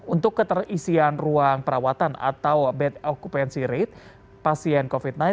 untuk keterisian ruang perawatan atau bed occupancy rate pasien covid sembilan belas